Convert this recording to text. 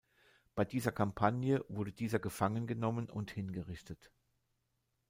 Bei dieser Kampagne wurde dieser gefangen genommen und hingerichtet.